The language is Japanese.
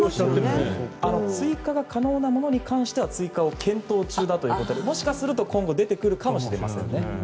追加可能なものに関しては追加を検討中だということでもしかすると今後出てくるかもしれませんね。